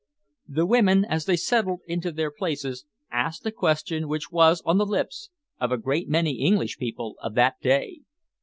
The women, as they settled into their places, asked a question which was on the lips of a great many English people of that day.